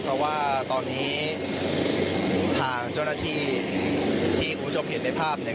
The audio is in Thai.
เพราะว่าตอนนี้ทางเจ้าหน้าที่ที่คุณผู้ชมเห็นในภาพเนี่ย